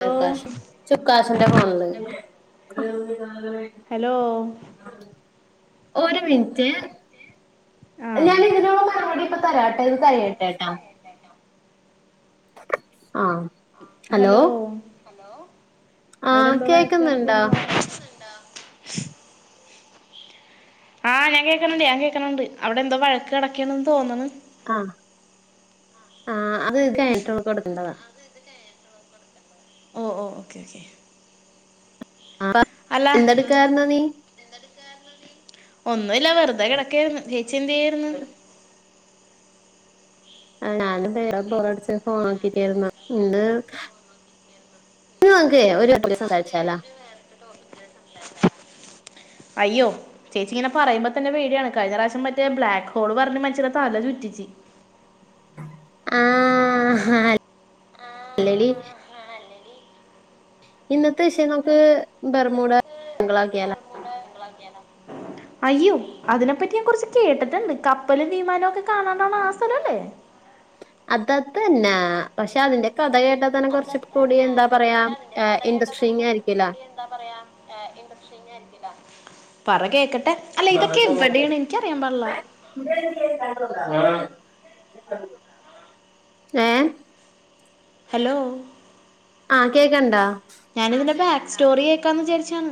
[unintelligible] Hello hello ഒരു minute ആഹ് ലണി ഇതിനോള്ള മറുപടി ഇപ്പ തരാട്ടോ ഇത് കഴിയട്ടേട്ടോ. ആഹ്. ഹലോ ആ അവിടെ എന്തോ വഴക്ക് കേക്കുന്നുണ്ടോ നടക്കാണല്ലോ? ആഹ് ഞാൻ കേൾക്കണണ്ട് ഞാൻ കേൾക്കണണ്ട് അവിടെ എന്തോ വഴക്ക് നടക്കയാന്ന് തോന്നണ്? ആഹ് ആഹ് അത് എറ്റൊൾക്ക്‌ കൊടെണ്ടതാ ഓഹ് ഓഹ് ഓക്കെ ഓക്കെ. അപ്പ അല്ല എന്തെടുക്കാരുന്ന് നീ? ഒന്നുല്ല വെറുതെ കിടക്കായിരുന്നു ചേച്ചി എന്ത് ചെയ്യായിരുന്നു. ആഹ് ഞാനും വെറുതെ ബോറടിച്ച് ഫോൺ നോക്കി ഇരിക്കയിരുന്ന് ഇന്ന് ഇന്ന് നമുക്കെ [unintelligible] സംസാരിച്ചാല അയ്യോ ചേച്ചി ഇങ്ങനെ പറയുമ്പൊത്തന്നെ പേടിയാണ് കഴിഞ്ഞ പ്രാവിശ്യം മറ്റേ ബ്ലാക്ക്‌ ഹോൾ പറഞ്ഞ് മനുഷ്യനെ തല ചുറ്റിച്ച് ആഹ് അല്ലേല് ഇന്നത്തെ വിഷയം നമുക്ക് ബെർമൂട അങ്കിൾ ആക്കിയാലാ അയ്യോ അതിനെപ്പറ്റി ഞാൻ കൊ റച്ച് കേട്ടിട്ടുണ്ട് കപ്പലും വീമാനൊ ക്കെ കാണാണ്ടാണആ സ്ഥലം ല്ലേ അതാതന്നാ പക്ഷെ അതിന്റെ കഥ കേട്ടാ തന്നെ കുറച്ച് കൂടി എന്താ പറയാ ഏഹ് ഇന്റസ്‌ട്രിങ് ആയിരിക്കുല്ലേ എന്ത പറയ [unintelligible] പറ കേക്കട്ടെ അല്ല ഇതൊക്കെ എവിടേണ് എനിക്ക്‌ അറിയാൻ പാടില്ല ഏഹ് ഹലോ ആഹ് കേക്കണ്ടാ ഞാനിതിന്റെ ബാക്ക് സ്റ്റോറി കേക്കാന്ന് വിചാരിച്ചേണ്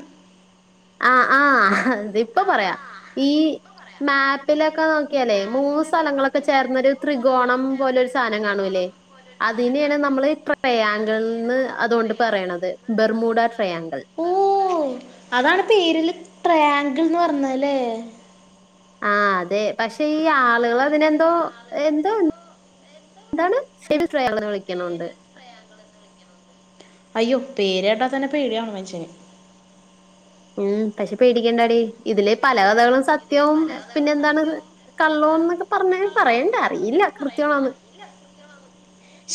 ആഹ് ആഹ് ദ ഇപ്പ പറയാ ഈ മാപ്പിലൊക്കെ നോക്കിയാലേ മൂന്ന് സ്ഥലങ്ങളൊക്കെ ചേർന്നൊരു ത്രികോണം പോലൊരു സാനം കാണൂല്ലേ അതിനെയാണ് നമ്മള് ട്രയാങ്കിൾന്ന് അതോണ്ട് പറയണത് ബെർമൂഡ ട്രയാങ്കിൾ ഓ അതാണ് പേരില് ട്രയാങ്കിൾന്ന് പറഞ്ഞതല്ലേ ആ അതെ പക്ഷെ ഈ ആളുകൾ അതിനെന്തോ എന്തോ എന്താണ് [unintelligible] ട്രയാങ്ക്ൾ ന്ന് വിളിയക്ക്ണോണ്ട് അയ്യോ പേരാട്ടാതന്നെ പേടിയാണു മൻഷ്യന് ഉം പക്ഷെ പേടിക്കേണ്ടാടി ഇതിലെ പല കഥകളും സത്യവും പിന്നെന്താണ്ത് കള്ളോ ന്നൊക്കെ പറഞ്ഞെ പറയണ്ട അറിയില്ല കൃത്യാണോന്ന്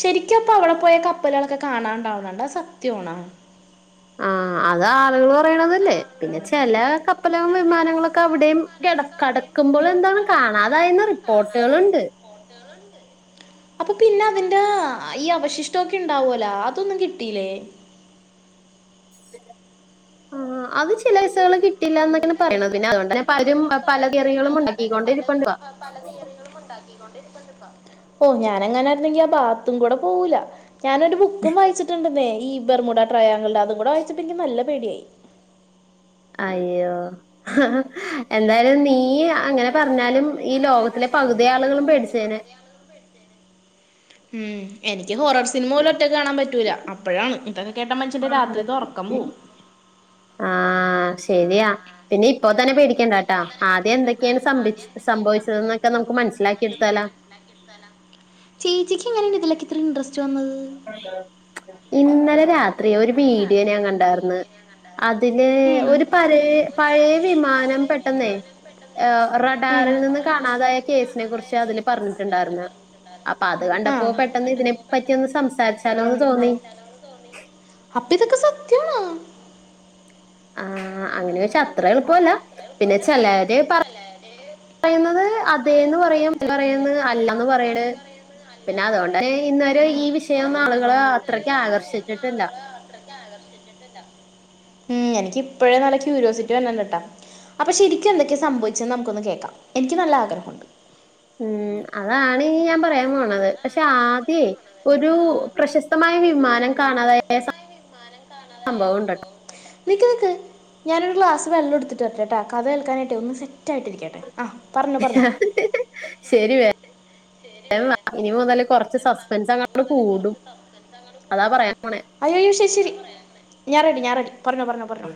ശരിക്കപ്പ അവടെ പോയ കപ്പലേളൊക്കെ കാണാണ്ടാവണ് ണ്ട് അത് സത്യാണാ ആ അത് ആളുകൾ പറയണതല്ലേ പിന്നെ ചെല കപ്പല്കളും വിമാനങ്ങളൊക്കെ അവിടെയും കെട ക്കടക്കുമ്പോൾ എന്താണ് കാണാതായെന്ന റിപ്പോർട്ടുകളുണ്ട് അപ്പൊ പിന്നെ അതിന്റെ ഈ അവശിഷ്ട്ടോ ക്കെ ഉണ്ടാവോല അതൊന്നും കിട്ടീലെ ആഹ് അത് ചില വിസകള് കിട്ടിലാന്നൊക്കെയാണ് പറഞ്ഞത് പിന്നെ പലരും പല തിയറികളും ഉണ്ടാക്കികൊണ്ടിരിക്കിപ്പം പല തിയറി [unintelligible] ളു മുണ്ടാക്കികൊണ്ടിരിപ്പുണ്ടിപ്പം ഓ ഞാൻ അങ്ങാനായിരുന്നെങ്കി ആ ഭാഗത്തും കൂടെ പോവൂല്ല ഞാനൊരു ബുക്കും വായിച്ചിട്ടുണ്ട് ന്നേ ഈ ബെർമൂടാ ട്രയാംഗിൾൻ്റെ അതും കൂടെ വായിചിട്ട് ൻക്യ് നല്ല പേടിയായി അയ്യോ ഹ് ഹ് എന്തായാലും നീ അങ്ങനെ പറഞ്ഞാലും ഈ ലോകത്തിലെ പകുതി ആളുകളും പേടിച്ചേനെ മം എനിക്ക് ഹോറർ സിനിമ പോലും ഒറ്റക്കാണാൻ പറ്റൂല അപ്പൊഴാണ് ഇത് കേട്ട മനഷ്യന്റെ രാത്രിത്തെ ഒറക്കം പോകും ആ ശരിയാ പിന്നെ ഇപ്പൊ തന്നെ പേടി ക്കണ്ടാട്ടാ ആദ്യം എന്തൊക്കെയാണ് സംഭിച് സംഭവിച്ചത് എന്നൊക്കെ നമുക്ക് മനസ്സിലാക്കി എടുത്താലാ ണ്ടാകിട്ത്താലാ ചേച്ചിക്ക് എങ്ങനേണ് ഇതിലക്കെ ഇത്ര ഇൻട്രസ്റ്റ് വന്നത് ഇന്നലെ രാത്രി ഒരു വീഡിയോ ഞാൻ കണ്ടാർന്ന് അതില് ഒരു പരേ പഴേ വിമാനം പെട്ടെന്നേ അ റഡാറിൽ നിന്ന് കാണാതായ കേസിനെ കുറിച്ച് അതില് പറഞ്ഞിട്ടുണ്ടാർന്ന് അപ്പൊ അത് കണ്ടപ്പോ അപ്പൊ പെട്ടെന്ന് ഇതിനെ പ്പറ്റി ഒന്ന് സംസാരിച്ചാലോന്ന് തോന്നി അപ്പിതൊക്കെ സത്യാണാ ആ അങ്ങനെ ച്ചാ അത്ര എളുപ്പല്ല പിന്നെ ചെലര് പറ പറയുന്നത് അതേന്ന് പറയും ചെലൊര് പറയും അല്ലാന്ന് പറയണ് പിന്നെ അതോണ്ട് ഇന്ന് വരെ ഈ വിഷയംആളുകള് അത്രക്കെ ആകർഷിച്ചിട്ടില്ല ഉ എനിക്ക് ഇപ്പഴേ നല്ല ക്യൂരിയോസിറ്റി വര്ന്ന്ണ്ട് ട്ടാ അപ്പൊ ശരിക്കും എന്തൊക്കെ സംഭവിച്ചെന്ന് നമുക്കൊന്ന് കേൾക്കാം എനിക്ക് നല്ല ആഗ്രഹുണ്ട് ഉം അതാണ് ഇനി ഞാൻ പറയാൻ പോണത് പക്ഷെ ആദ്യേ ഒരു പ്രശസ്തമായ വിമാനം കാണാതായ സം സംഭവൊണ്ട്ട്ടോ നിക്ക് നിക്ക് ഞാനൊരു ഗ്ലാസ് വെള്ളൊട്ത്ത്ട്ട് വരട്ടെട്ടൊ കഥ കേൽക്കാനായിട്ടെ ഒന്ന് സെറ്റ് റ്റായിട്ടിരിക്കട്ടെ ആ പറഞ്ഞൊ പറഞ്ഞൊ വേം വാ ഇനിമുതൽ കൊറച്ച് സസ്പെൻസങ്ങട്ട് കൂടും അതാ പറയാൻ പോണേ അയ്യയ്യോ ശരിശരി ഞാൻ റെഡി ഞാൻ റെഡി പറഞ്ഞോ പറഞ്ഞോ പറഞ്ഞോ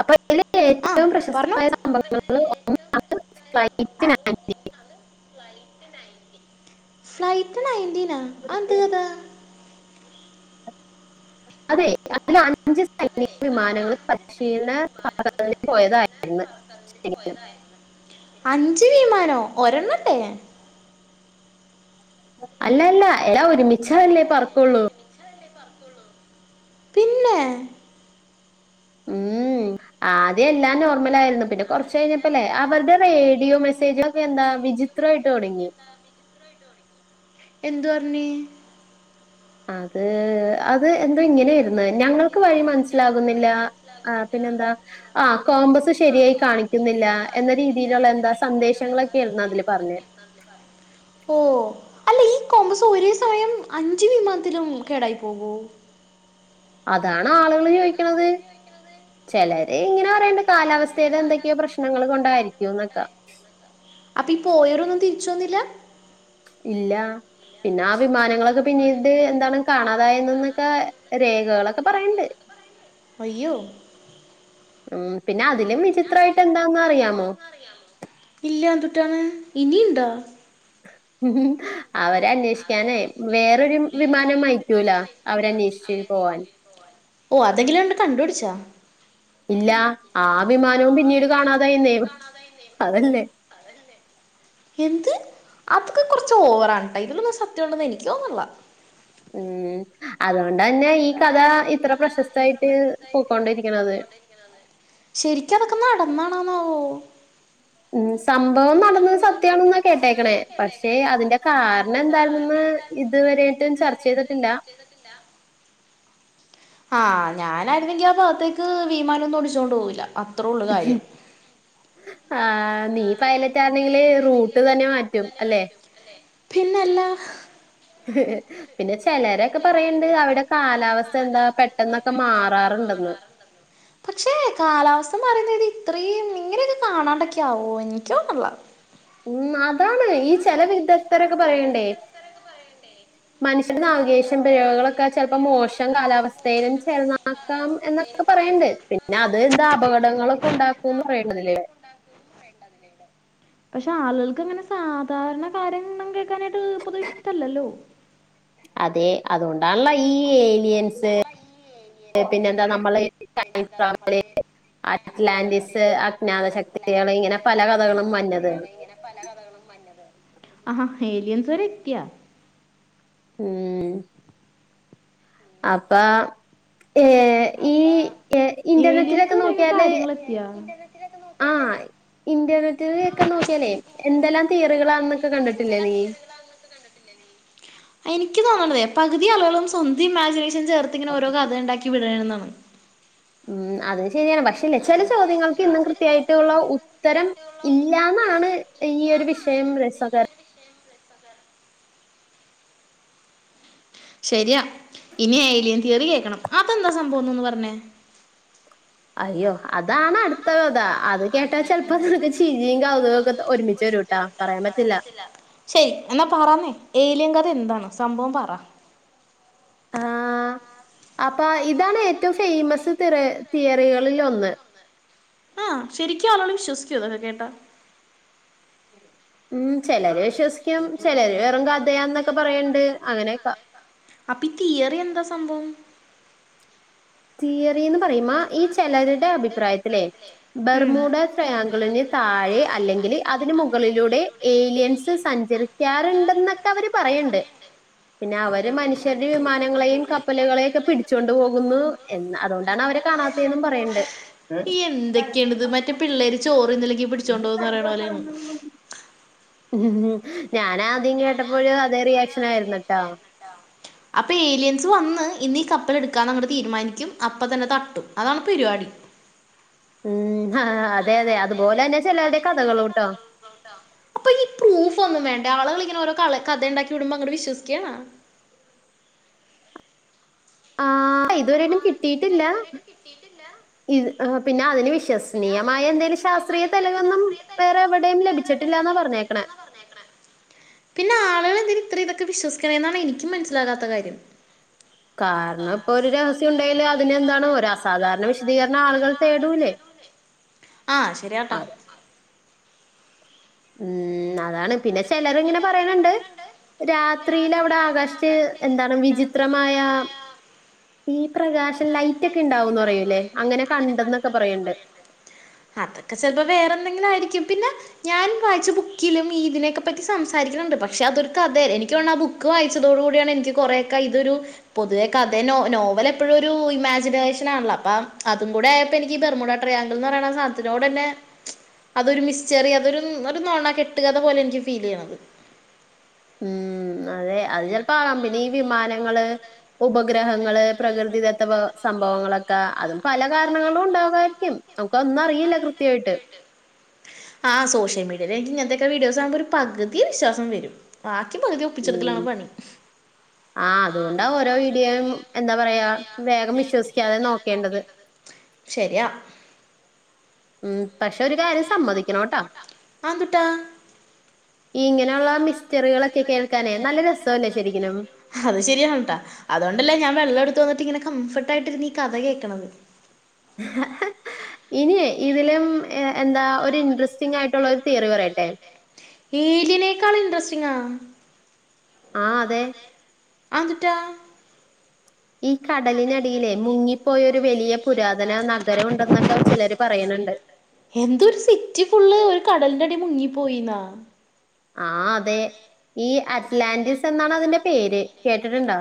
അപ്പൊ തില് ആ ഏറ്റവും പറഞ്ഞോ പ്രശസ്തമായ സംഭവങ്ങള് ഒപ്പം [unintelligible] [unintelligible] ഫ്ലൈറ്റ് നയൻ്റിനൊ അന്ത് കഥാ അതെ അതിൽ അഞ്ച് സൈനിക വിമാനങ്ങള് പരിശീലന ബഗ്ദാദിലേക്ക് പോയതായിരുന്നു ശരി അഞ്ച് വിമാനോ ഒരെണ്ണല്ലെ അല്ലല്ല എല്ലാ ഒരുമിച്ചാല്ലേ പറക്കൊള്ളൂ പിന്നെ ഉം ആദ്യം എല്ലാം നോർമലായിരുന്നു പിന്നെ കൊർച്ച് കഴിഞ്ഞപ്പല്ലേ അവര്ടെ റേഡിയോ മെസ്സേജകളൊക്കെ എന്താ വിജിത് ത്രായിട്ട് തൊടങ്ങി എന്ത് പർഞ്ഞി അത് അത് എന്തെ ഇങ്ങനൊയിര്ന്നെ ഞങ്ങക്ക് വഴി മനസ്സിലാകുന്നില്ലാ ആഹ് പിന്നെന്താ ആഹ് കോമ്പസ് ത് ശെരിയായി കാണിക്കുന്നില്ല എന്ന രീതിയില്ള്ള എന്താ സന്ദേശങ്ങളൊക്കെര്ന്നു അതില് പറഞ്ഞെ ഓഹ് അല്ലെ ഈ കോമ്പസ് ഒരേ സമയം അഞ്ച് വിമാനത്തിലും കേടായി പോകോ അതാണ് ആള്കള് ചോയ്ക്ക്ണന്നത് ചെലര് ഇങ്ങനെ പറയ്ണ്ട് കാലാവസ്ഥയിലെ എന്തൊക്കെയോ പ്രശ്നങ്ങൾ കൊണ്ടായിരിക്കുംന്നൊക്കാ അപ്പൊ ഈ പോയരൊന്നും തിരിച്ച് വന്നില്ല ഇല്ലാ പിന്നെ ആഹ് വിമാനങ്ങളൊക്കെ പിന്നീട് എന്താണ് കാണാതായന്നൊക്കെ രേഖകളൊക്കെ പറയ്ണ്ട് [inaudible] അയ്യോ ഉം പിന്നെ അതിലും വിചിത്രായിട്ട് എന്താന്നറിയാമോ ഇല്ല എന്തുട്ടാണ് ഇനിയുണ്ടോ അവരെ അന്വേഷിക്കാനെ വേറൊരു വിമാനമായി പറ്റൂല അവരന്വേഷ്ച്ചീനി പോവാൻ ഓ അതെങ്കിലും ണ്ട് കണ്ടുട്ച്ചോ ഇല്യാ ആഹ് വിമാനവും പിന്നീട് കാണാതായിന്നേ അതല്ലേ എന്ത് അതൊക്കെ കൊർച്ച് ഓവറാണ് ട്ടോ ഇതിലൊന്നും സത്യണ്ടെന്ന് എനിക്ക് തോന്ന്ൺല്ല ഉം അതോണ്ടന്നെ ഈ കഥ ഇത്ര പ്രശസ്തായിട്ട് പോക്കൊണ്ടിരിക്ക്ണത് ശെരിക്കും അതൊക്കെ നടന്നാണാവോ ഉം സംഭവം നടന്നത് സത്യാണെന്നാ കേട്ടേക്ക്ണേ പക്ഷെ അതിന്റെ കാരണം എന്തായിര്ന്നെന്ന് ഇതുവരായ്ട്ടും ചർച്ചെയ്തിട്ടില്ല ആഹ് ഞാനായിരുന്നെങ്കി ആഹ് ഭാഗത്തേക്ക് വിമാനൊന്നും ഓടിച്ചോണ്ട് പോകില്ല ഉം ആഹ് നീ പൈലറ്റാര്ന്നെങ്കി റൂട്ട് തന്നെ മാറ്റും അല്ലെ പിന്നെല്ല പിന്നെ ചെലരൊക്കെ പറയ്ണ്ട് അവിടെ കാലാവസ്ഥന്താ പെട്ടെന്നൊക്കെ മാറാറ്ണ്ടെന്ന് പക്ഷേ കാലാവസ്ഥ മാറീന്ന് കര്തി ഇത്രയും ഇങ്ങനൊക്കെ കാണാണ്ടൊക്കെ ആവോ ഇൻക്കോന്നണില്ല ഉം അതാണ് ഈ ചെല വിദഗ്ദ്ധരൊക്കെ പറയ്ണ്ടേ മനുഷ്യർ നാവകേശം പിഴവ്കളൊക്കെ ചെലപ്പോ മോശം കാലാവസ്ഥയിലും ചേർന്നാ ക്കാം എന്നൊക്കെ പറയ്ണ്ട്‌ പിന്നെ അത് എന്താ അപകടങ്ങളൊക്കെ ഉണ്ടാക്കൂന്ന് പറയേണ്ടതില്ലേ പക്ഷെ ആളുകൾക്കങ്ങനെ സാധാരണ കാര്യം ഒന്നും കേൾക്കാനായിട്ട് പൊതുവെ ഇഷ്ടല്ലല്ലോ അതെയ് അതോണ്ടാണല്ലോ ഈ ഏലിയൻസ് പിന്നെന്താ നമ്മള് പിന്നെന്താ നമ്മള് അറ്റ്ലാന്റിസ് അജ്ഞാത ശക്തികള് ഇങ്ങനെ പല കഥകളും വര്നത് ആഹ് ഏലിയൻസ് വരെ എത്തിയൊ ഉം അപ്പാം ഏഹ് ഈ എ ഏലിയൻസ് ഇന്റർനെറ്റിലൊക്കെ വരെയൊക്കെ നോക്കിയാല് കാര്യങ്ങൾ ആ [inaudible] ഇന്റർനെറ്റിലൊക്കെ നോക്കിയാലേ എന്തെല്ലാം തിയറികളാണെന്നൊക്കെ കണ്ടിട്ടില്ലേ നീ എനിക്ക് തോണതെ പകുതി ആളുകളും സ്വന്തം ഇമാജിനേഷൻ ചേർത്തിങ്ങനെ ഓരോ കഥ ഇണ്ടാക്കി വിടാണ്ന്നാണ് ഉം അതും ശെരിയാണ് പക്ഷേല്ലെ ചെല ചോദ്യങ്ങൾക്ക് ഇന്നും കൃത്യായിട്ടുള്ള ഉത്തരം ഇല്ലാന്നാണ് ഈ ഒരു വിഷയം രസകർ ശരിയാ ഇനി ഏലിയൻ തിയറി കേക്കണം അതെന്താ സംഭവന്ന് ഒന്ന് പറഞ്ഞേ അയ്യോ അതാണ് അടുത്ത കഥ അത് കേട്ടാൽ ചെലപ്പോ നിനക്ക് ചിരിയും കൗതുകൊക്കെ ഒരുമിച്ച് വരൂട്ടോ പറയാൻ പറ്റില്ല ശരി എന്നാ പറന്നേ ഏലിയൻ കഥ എന്താണ് സംഭവം പറ ആഹ് അപ്പ ഇതാണ് ഏറ്റവും ഫേമസ് തിറ തിയറികളിലൊന്ന് ആഹ് ശരിക്കും ആളുകൾ വിശ്വസിക്കോ ഇതൊക്കെ കേട്ടാ ഉം ചെലര് വിശ്വസിക്കും ചെലര് വെറും കഥയാന്നൊക്കെ പറയണ്ട് അങ്ങനോക്കേ അപ്പൊ ഈ തിയറി എന്താ സംഭവം തിയറീന്ന് പറയ്മ ഈ ചെലരുടെ അഭിപ്രായത്തിലേ ഉം ബെർമുഡ ട്രായാങ്കളിന് താഴെ അല്ലെങ്കില് അതിന് മുകളിലൂടെ ഏലിയൻസ് സഞ്ചരിക്കാറ്ണ്ട് എന്നൊക്കെ അവര് പറയ്ണ്ട് പിന്നെ അവര് മനുഷ്യരുടെ വിമാനങ്ങളെയും കപ്പലുകളെയോക്കെ പിടിച്ചൊണ്ട് പോകുന്നു എന്ന അതോ ണ്ടാണ് അവരെ കാണാത്തേന്നും പറയ്ണ്ട് ഈ എന്തൊക്കെയാണ് ഇത് മറ്റേ പിള്ളേര് ചോറ് ന്നില്ലെങ്കി പിടിച്ചോണ്ട്‌ പോവൂന്ന് പറയണ പോലെയാണ് ഞാന് ആദ്യം കേട്ടപ്പോഴും അതേ റിയാക്ഷൻ ആയിരുന്നുട്ടോ അപ്പൊ ഏലിയൻസ് വന്ന് ഇന്നീ കപ്പല് എടുക്കാന്നങ്ങട്ട് തീരുമാനിക്കും അപ്പ തന്നെ തട്ടും അതാണ് പരിപാടി. ഉം ആഹ് അതെ അതെ അതുപോലെ തന്നെ ചെലരുടെ കഥകളുട്ടോ അപ്പൊ ഈ പ്രൂഫ് ഒന്നും വേണ്ടെ ആളുകൾ ഇങ്ങെ ഓരോ കള കഥ ഉണ്ടാക്കി വിടുമ്പോ അങ്ങനെ വിശ്വസിക്കയാണോ ആഹ് ഇതുവരായ്ട്ടും കിട്ടിട്ടില്ല ഇ പിന്നെ അതിന് വിശ്വസനീയമായ എന്തേലും ശാസ്ത്രീയ തെളിവൊന്നും വേറെ എവിടെയും ലഭിച്ചിട്ടില്ലന്ന പറഞ്ഞേക്കണേ പിന്നെ ആലുകളെന്തിനെ ഇത്രയും ഇതൊക്കെ വിശ്വസിക്കണെ എന്നാണ് എനിക്കും മനസ്സിലാകാത്ത കാര്യം കാരണം ഇപ്പോ ഒരു രഹസ്യം ഉണ്ടെല് അതിനെന്താണ് ഒരു അസാധാരണ വിശദീകരണം ആളുകൾ തേടൂലേ ആഹ് ശരിയാട്ടോ അത് ഉം അതാണ് പിന്നെ ചെലര് ഇങ്ങനെ പറയണണ്ട് രാത്രിയിൽ അവിടെ ആകാശ ത്ത് എന്താണ് വിചിത്രമായ ഈ പ്രകാശം ലൈറ്റ് ഒക്കെ ഇണ്ടാവുന്ന് പറയൂല്ലേ അങ്ങനെ കണ്ടെന്നൊക്കെ പറയണ്ട് അതൊക്കെ ചെലപ്പം വേറെ എന്തെങ്കിലും ആയിരിക്കും പിന്നെ ഞാൻ വായിച്ച ബുക്കിലും ഇതിനെയൊക്കെ പറ്റി സംസാരിക്കുന്നുണ്ട് പക്ഷെ അതൊരു കഥയ എനിക്ക്‌ തോന്നണ് ആ ബുക്ക് വായി ച്ചതോടുകൂടിയാണ് എനിക്ക്‌ കൊറെയൊക്കെ ഇതൊരു പൊതുവെ കഥ നോ നോവൽ എപ്പോഴും ഒരു ഇമാജിനേഷൻ ആണല്ലോ അപ്പൊ അതും കൂടെ ആയപ്പോ എനിക്ക് ഈ ബെർമുഡ ട്രയാങ്കിൾ എന്ന് പറയണ സാനത്തിനോട് അന്നേ അതൊരു മിസ്ചറി അതൊരു നൊണ കെട്ടുകഥ പോലെനിക്ക് ഫീലെയ്യുന്നത് ഉം അതെ അത് ചെൽപ്പോ ആ കമ്പനി വിമാനങ്ങള് ഉപഗ്രഹങ്ങള് പ്രകൃതിദത്ത സംഭവങ്ങളൊക്കെ അതും പല കാരണങ്ങളും ഉണ്ടാവായിരിക്കും നമുക്കൊന്നറിയില്ല കൃത്യായിട്ട് ആ സോഷ്യൽ മീഡിയയിൽ എനിക്ക് ഇങ്ങൻത്തൊക്കെ വീഡിയോസ് കാണുമ്പോ ഒരുപകുതി വിശ്വാസം വെരും ബാക്കി പകുതി ഉം ഒപ്പിച്ചെടുക്കലാണ് പണി ആ അതോണ്ടാ ഓരോ വീഡിയോയും എന്താ പറയാ വേഗം വിശ്വസിക്കാതെ നോ നോക്കേണ്ടത് ശെരിയാ ഉം പക്ഷേ ഒരു കാര്യം സമ്മതിക്കണോട്ടൊ ആന്തുട്ടാ ഈ ഇങ്ങനെള്ള മിസ്റ്ററികളൊക്കെ കേൾക്കാനെ നല്ല രസല്ലേ ശെരിക്കനും അത് ശെരിയാണ് ട്ടൊ അതോണ്ടല്ലേ ഞാൻ വെള്ളെടുത്ത് വന്നിട്ട് ഇങ്ങനെ കംഫർട്ടായിരുന്ന് ഈ കഥ കേൾക്കണത് [unintelligible] ഇനി ഇതിലും എന്താ ഒരു ഇൻട്രസ്റ്റിങ്ങായിട്ടുള്ള ഒരു തിയറി പറയട്ടെ ഈദിനേക്കാൾ ഇൻട്രസ്റ്റിങ്ങോ ആ അതെ അന്തുട്ടാ ഈ കടലിനടിയിലെ മുങ്ങിപ്പോയ ഒരു വലിയ പുരാതന [unintelligible] ചെലോര് പറയ്ണ് ണ്ട് എന്തൊരു സിറ്റി ഫുള്ള് ഒരു കടലിന്റടി മുങ്ങിപ്പോയിന്നോ ആ അതെ ഈ അറ്റ്ലാന്റിസ്ന്നാണ തിന്റെ പേര് കേട്ടിട്ടുണ്ടോ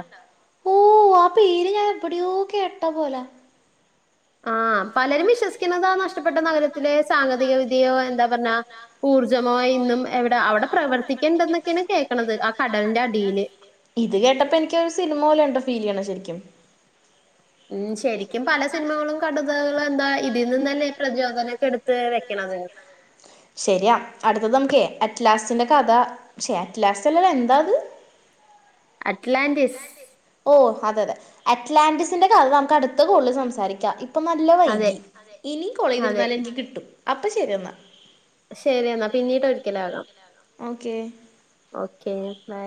ഓ ആ പേര് ഞാൻ എവിടെയോ കേട്ട പോലെ ആ പലരും വിശ്വസിക്കുന്നത നഷ്ടപ്പെട്ട നഗരത്തിലെ സാങ്കേതിക വിദ്യയോ എന്താ പർഞ്ഞാ ഊർജ്ജമായിന്നും എവടെ അവടെ പ്രവർത്തിക്ക്‌ണ്ട് ന്നൊക്കെണ് കേക്കണത് ആ കടലിന്റെ അടില് ഇത് കേട്ടപ്പോ എനിക്ക് ഒരു സിനിമ പോലേണ്ട് ഫീൽ ചെയ്യണേ ശെരിക്കും ഉം ശെരിക്കും പല സിനിമകളും കടതകളും എന്താ ഇതിൽ നിന്നല്ലേ പ്രചോദനൊക്കെ എടുത്ത് വെക്കണത് ശെരിയാ അടുത്തത് നമുക്കെ അറ്റ്ലാസിന്റെ കഥ ക്ഷെ അറ്റ്ലാസല്ല എന്താത് അറ്റ്ലാന്റിസ് ഓ അതെ അതെ അറ്റ്ലാന്റിസിന്റെ കഥ നമുക്ക് അടുത്ത കോള്ൽ സംസാരിക്കാ ഇ പ്പൊ നല്ല അതെ വൈകി ഇനിം അതെ കൊളേജിരുന്നാലെനിക്ക്‌ കിട്ടും അപ്പൊ ശെരിയെന്നാ ശരി ശെരി പിന്നീട് എന്നാ പിന്നീടൊരിക്കലാകാം ഓക്കെ ഓക്കെ ബൈ